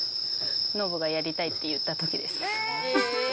のぶがやりたいって言ったときです。